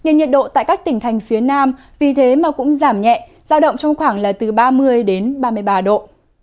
nên nhiệt độ tại các tỉnh thành phía nam vì thế mà cũng giảm nhẹ giao động trong khoảng là từ ba mươi đến ba mươi ba độ